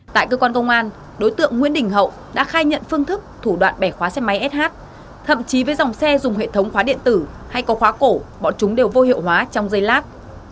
tại cơ quan công an đối tượng nguyễn đình hậu đã khai nhận phương thức thủ đoạn bẻ khóa xe máy sh thậm chí với dòng xe dùng hệ thống khóa điện tử hay có khóa cổ bọn chúng đều vô hiệu hóa trong dây lát